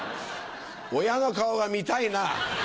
親の顔が見たいなぁ。